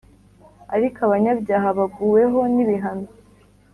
Ariko abanyabyaha baguweho n’ibihano,